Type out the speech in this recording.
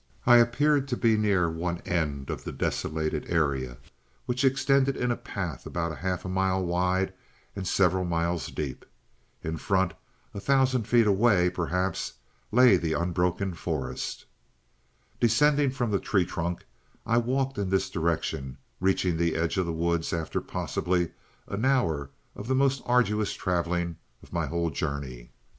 I appeared to be near one end of the desolated area, which extended in a path about half a mile wide and several miles deep. In front, a thousand feet away, perhaps, lay the unbroken forest. "Descending from the tree trunk I walked in this direction, reaching the edge of the woods after possibly an hour of the most arduous traveling of my whole journey.